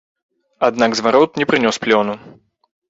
Аднак зварот не прынёс плёну.